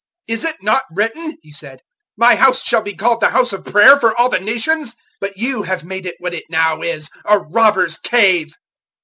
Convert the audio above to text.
"Is it not written," He said, "'My House shall be called The House of Prayer for all the nations?' But you have made it what it now is a robbers' cave."